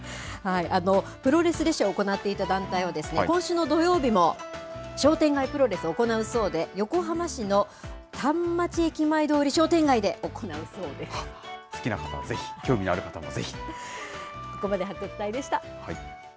プロレス列車を行っていた団体はですね、今週の土曜日も商店街プロレスを行うそうで、横浜市の反町駅前通り商店街で行うそう好きな方はぜひ、興味のあるここまで、発掘隊でした。